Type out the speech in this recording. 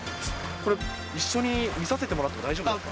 これ、一緒に見させてもらっても大丈夫ですか？